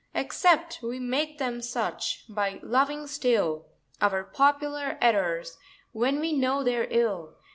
Except we make them such, by loving still Our popular errors, when we know they're ill.